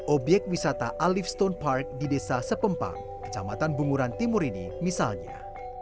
obyek wisata alif stone park di desa sepempang kecamatan bunguran timur ini misalnya